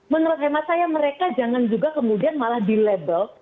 menurut hemat saya mereka jangan juga kemudian malah dilabel